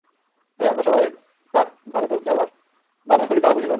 তাই আমরা সবাই তাক ভারোতোত যাবার বাধা করি তাও বুঝিল না।